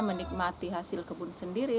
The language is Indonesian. menikmati hasil kebun sendiri